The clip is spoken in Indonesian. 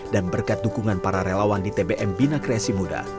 dan berkat dukungan para relawan di tbm bina kreasi muda